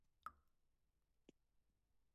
مېلې د ښو اخلاقو زدهکړه هم لري.